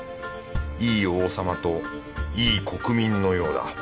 いい王様といい国民のようだ。